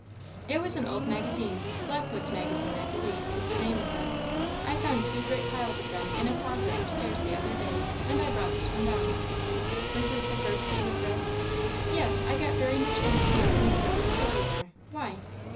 "It was an old magazine Blackwood's Magazine, I believe, is the name of it; I found two great piles of them in a closet upstairs the other day; and I brought this one down." "This is the first that you have read?" "Yes; I got very much interested in a curious story there; why?"